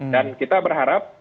dan kita berharap